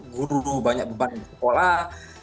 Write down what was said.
guru banyak beban yang di sekolah